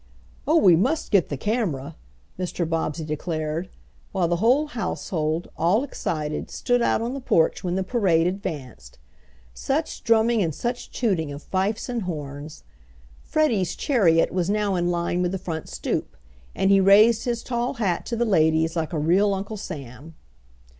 "Oh, we must get the camera!" Mr. Bobbsey declared, while the whole household, all excited, stood out on the porch when the parade advanced. Such drumming and such tooting of fifes and horns! Freddie's chariot was now in line with the front stoop, and he raised his tall hat to the ladies like a real Uncle Sam.